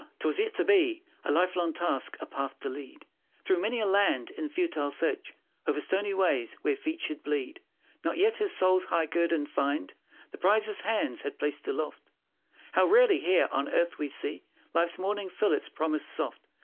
'Twas yet to be A lifelong task a path to lead Through many a land, in futile search O'er stony ways where feet should bleed. Not yet his soul's high guerdon find The prize his hands had placed aloft. How rarely here on earth we see Life's morning fill its promise soft.